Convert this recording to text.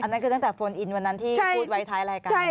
นั่นคือตั้งแต่โฟนอินวันนั้นที่พูดไว้ท้ายรายการ